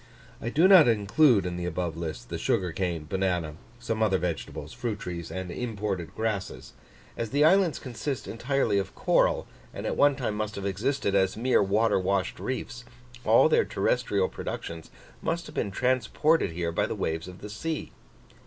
I do not include in the above list the sugar cane, banana, some other vegetables, fruit trees, and imported grasses. As the islands consist entirely of coral, and at one time must have existed as mere water washed reefs, all their terrestrial productions must have been transported here by the waves of the sea.